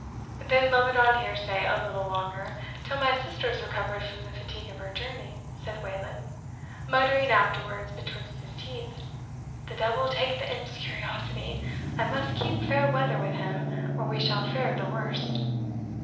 "Then love it on hearsay a little longer, till my sister is recovered from the fatigue of her journey," said Wayland; muttering afterwards betwixt his teeth, "The devil take the imp's curiosity! I must keep fair weather with him, or we shall fare the worse."